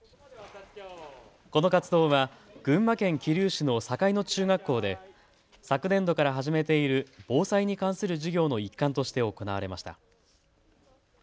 この活動は群馬県桐生市の境野中学校で昨年度から始めている防災に関する授業の一環として行われました。